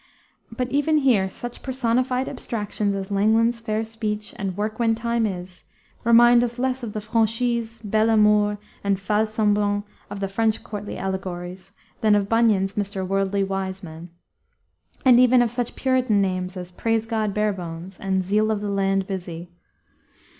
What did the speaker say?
But even here such personified abstractions as Langland's Fair speech and Work when time is, remind us less of the Fraunchise, Bel amour, and Fals semblaunt of the French courtly allegories than of Bunyan's Mr. Worldly Wiseman, and even of such Puritan names as Praise God Barebones, and Zeal of the land Busy.